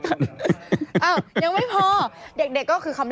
กินขออาหาร